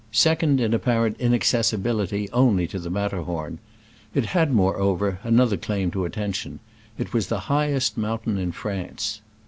second in apparent inaccessibility only to the Matterhorn. It had, moreover, another claim to attention — it was the highest mountain in France.